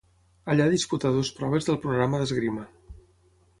Allà disputà dues proves del programa d'esgrima.